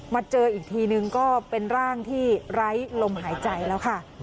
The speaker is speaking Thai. เจออีกทีนึงก็เป็นร่างที่ไร้ลมหายใจแล้วค่ะ